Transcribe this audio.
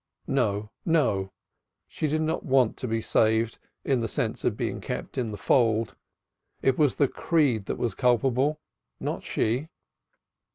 No, no; she did not want to be saved in the sense of being kept in the fold: it was the creed that was culpable, not she.